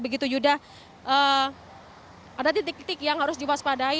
begitu yuda ada titik titik yang harus diwaspadai